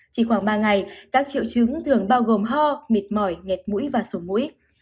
chỉ khoảng ba ngày các triệu chứng thường bao gồm ho mệt mỏi nhẹt mũi và sổ mũi